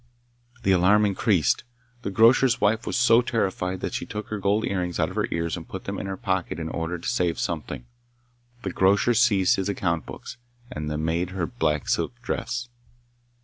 The alarm increased. The grocer's wife was so terrified that she took her gold earrings out of her ears and put them in her pocket in order to save something. The grocer seized his account books. and the maid her black silk dress.